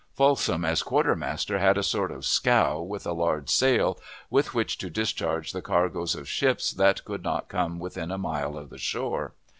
Folsom, as quartermaster, had a sort of scow with a large sail, with which to discharge the cargoes of ships, that could not come within a mile of the shore.